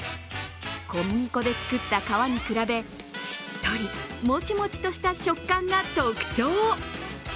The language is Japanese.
小麦粉で作った皮に比べ、しっとり、もちもちとした食感が特徴。